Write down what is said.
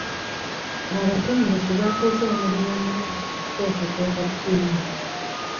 Abatendesi baakoze omulimu omulungi okuteekateeka ttiimu.